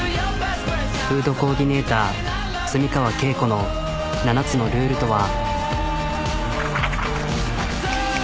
フードコーディネーター住川啓子の７つのルールとは？